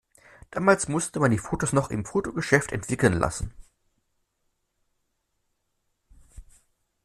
Damals musste man die Fotos noch im Fotogeschäft entwickeln lassen.